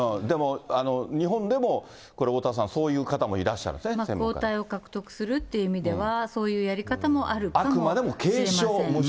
でも、日本でもこれ、おおたわさん、そういう方もいらっしゃ抗体を獲得するという意味では、そういうやり方もあるかもしれません。